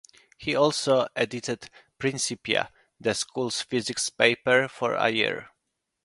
He also edited "Principia," the school's Physics paper, for a year.